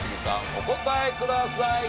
お答えください。